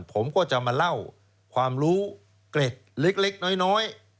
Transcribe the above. ผมก็จะมาเล่าความรู้เกร็ดเล็กน้อย